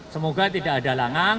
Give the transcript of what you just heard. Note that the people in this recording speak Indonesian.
semoga tidak ada langan